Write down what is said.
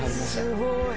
すごい。